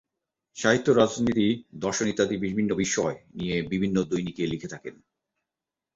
সাহিত্য, রাজনীতি, দর্শন ইত্যাদি বিভিন্ন বিষয় নিয়ে বিভিন্ন দৈনিকে লিখে থাকেন।